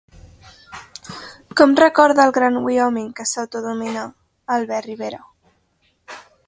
Com recorda el Gran Wyoming que s'autodenomina Albert Rivera?